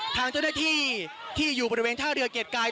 ทางเจ้าหน้าที่ที่อยู่บริเวณท่าเรือเกียรติกาย